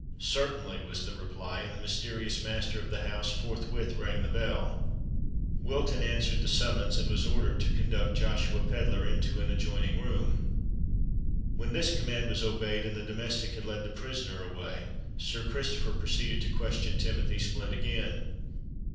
"Certainly," was the reply; and the mysterious master of the house forthwith rang the bell. Wilton answered the summons, and was ordered to conduct Joshua Pedler into an adjoining room. When this command was obeyed, and the domestic had led the prisoner away, Sir Christopher proceeded to question Timothy Splint again.